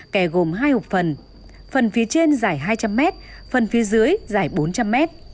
kè gồm hai hộp phần phần phía trên dài hai trăm linh mét phần phía dưới dài bốn trăm linh mét